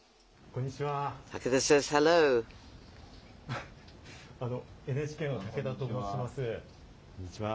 こんにちは。